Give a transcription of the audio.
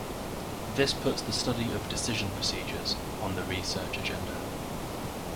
This puts the study of decision procedures on the research agenda.